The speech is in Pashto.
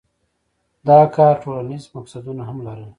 دا کار ټولنیز مقصدونه هم لرل.